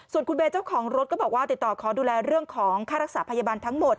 ส่วนคุณเบย์เจ้าของรถก็บอกว่าติดต่อขอดูแลเรื่องของค่ารักษาพยาบาลทั้งหมด